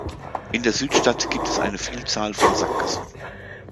In der Südstadt gibt es eine Vielzahl von Sackgassen.